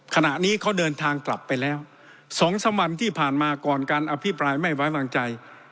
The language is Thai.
ขณะนี้เขาเดินทางกลับไปแล้ว๒๓วันที่ผ่านมาก่อนการอภิปรายไม่ไว้วางใจ